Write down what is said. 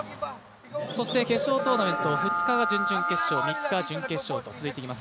決勝トーナメント、２日が準々決勝、３日、準決勝と続いていきます。